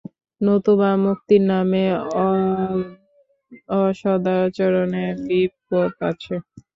নতুবা মুক্তির নামে অসদাচরণে বিপদ আছে।